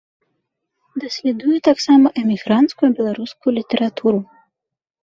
Даследуе таксама эмігранцкую беларускую літаратуру.